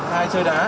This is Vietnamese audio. hả hai chơi đá